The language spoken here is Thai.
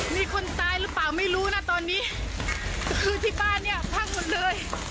มีคนตายหรือเปล่าไม่รู้นะตอนนี้คือที่บ้านเนี่ยพังหมดเลย